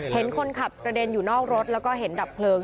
เห็นคนขับกระเด็นอยู่นอกรถแล้วก็เห็นดับเพลิง